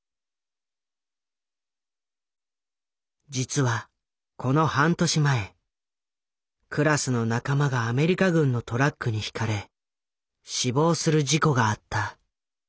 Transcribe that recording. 実はこの半年前クラスの仲間がアメリカ軍のトラックにひかれ死亡する事故があった。